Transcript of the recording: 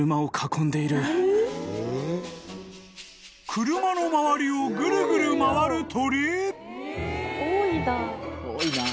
［車の周りをぐるぐる回る鳥？］